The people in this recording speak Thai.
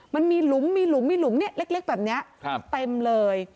มันมีหลุมมีหลุมมีหลุมเนี้ยเล็กเล็กแบบเนี้ยครับเต็มเลย